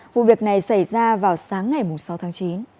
vụ việc này xảy ra vào sáng ngày sáu tháng chín